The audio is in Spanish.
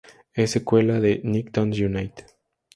Es secuela de Nicktoons Unite!